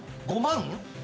５万？